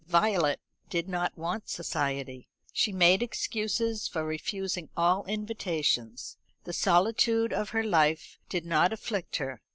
Violet did not want society. She made excuses for refusing all invitations. The solitude of her life did not afflict her.